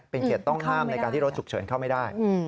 เป็นเขตต้องห้ามในการที่รถฉุกเฉินเข้าไม่ได้